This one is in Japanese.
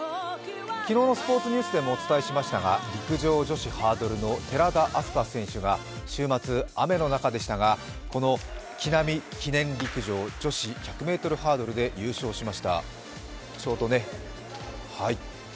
昨日のスポ−ツニュースでもお伝えしましたが陸上女子ハードルの寺田明日香選手が週末、雨の中でしたがこの木南記念陸上女子１００ｍハードルで優勝しました。